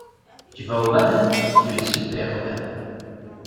Tu vas au bal ? tu es superbe.